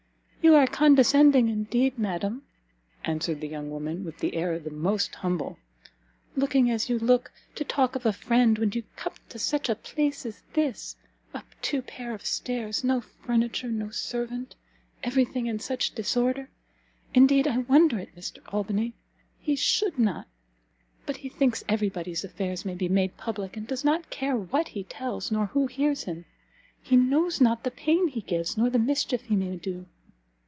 "You are condescending, indeed, madam," answered the young woman, with an air the most humble, "looking as you look, to talk of a friend when you come to such a place as this! up two pair of stairs! no furniture! no servant! every thing in such disorder! indeed I wonder at Mr. Albany! he should not but he thinks every body's affairs may be made public, and does not care what he tells, nor who hears him; he knows not the pain he gives, nor the mischief he may do."